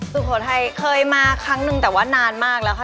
สุโขทัยเคยมาครั้งนึงแต่ว่านานมากแล้วค่ะ